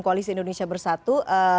koalisi indonesia bersatu